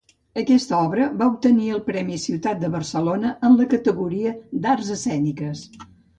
Aquesta obra va obtenir el Premi Ciutat de Barcelona en la categoria d'Arts Escèniques.